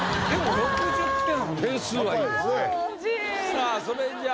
さあそれじゃあ。